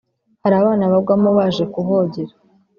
hari abana bagwamo baje kuhogera